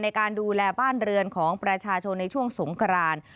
ในการดูแลบ้านเรือนของประชาชนในช่วงสงคราน